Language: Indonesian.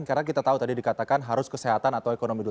karena kita tahu tadi dikatakan harus kesehatan atau ekonomi dulu